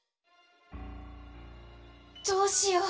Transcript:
どうしよう？